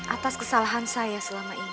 atas kesalahan saya selama ini